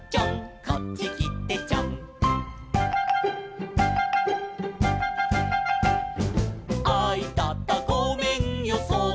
「こっちきてちょん」「あいたたごめんよそのひょうし」